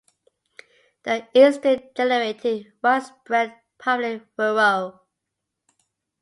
The incident generated widespread public furore.